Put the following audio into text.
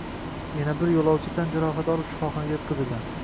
Yana bir yo‘lovchi tan jarohati olib shifoxonaga yotqizilgan